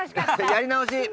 やり直し！